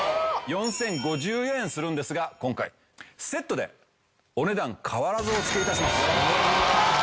４０５４円するんですが今回セットでお値段変わらずお付け致します。